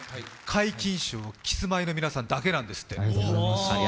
皆勤賞はキスマイの皆さんだけなんですって。